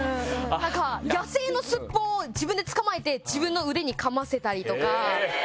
野生のスッポンを自分で捕まえて自分の腕をかませたりとか。